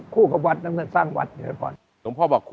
คู่กับวัดมาตั้งแต่สร้างวัด